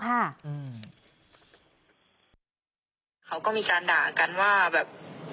เขาก็มีการด่ากันว่าแบบ